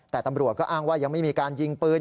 แต่ตำรวจก็อ้างว่ายังไม่มีการยิงปืน